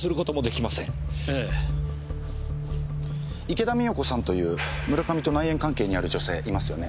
池田美代子さんという村上と内縁関係にある女性いますよね？